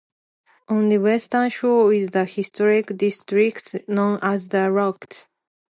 On the western shore is the historic district known as The Rocks.